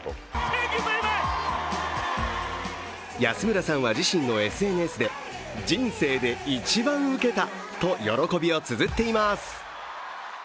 安村さんは自身のＳＮＳで人生で一番うけたと喜びをつづっています。